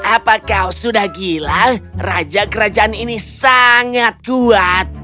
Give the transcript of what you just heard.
apa kau sudah gila raja kerajaan ini sangat kuat